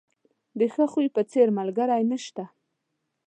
د ښه خوی په څېر، ملګری نشته.